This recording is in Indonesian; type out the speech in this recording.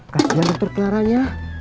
kasian betul betul arahnya